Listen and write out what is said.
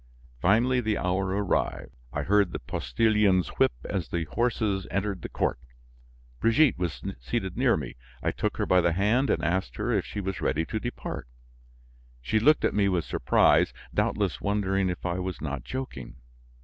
Finally, the hour arrived; I heard the postilion's whip as the horses entered the court. Brigitte was seated near me; I took her by the hand and asked her if she was ready to depart. She looked at me with surprise, doubtless wondering if I was not joking.